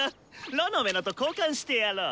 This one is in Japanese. ロノウェのと交換してやろう！